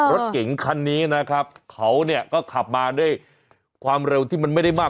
รถเก๋งคันนี้นะครับเขาเนี่ยก็ขับมาด้วยความเร็วที่มันไม่ได้มาก